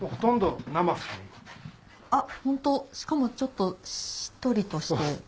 ホントしかもちょっとしっとりとして。